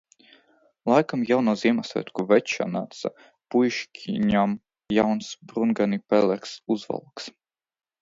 Laikam jau no Ziemassvētku veča nāca puišķinam jauns brūngani pelēks uzvalks.